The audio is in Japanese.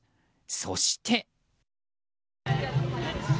そして。